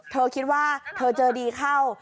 เธอคิดว่าเธอเจอดีเข้า